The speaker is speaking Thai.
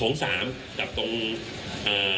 คุณผู้ชมไปฟังผู้ว่ารัฐกาลจังหวัดเชียงรายแถลงตอนนี้ค่ะ